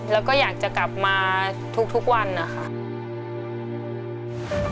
แล้วก็อยากจะกลับมาทุกวันนะคะ